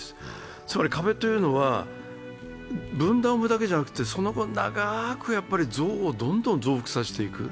つまり壁というのは分断を生むだけではなくて、その後長く憎悪をどんどん増幅させていく。